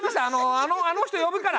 あのあの人呼ぶから！